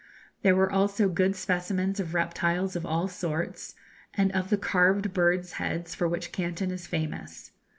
There were also good specimens of reptiles of all sorts, and of the carved birds' heads for which Canton is famous.